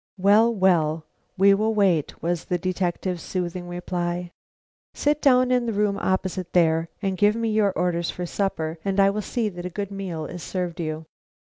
"Well, well, we will wait," was the detective's soothing reply. "Sit down in the room opposite there, and give me your orders for supper, and I will see that a good meal is served you."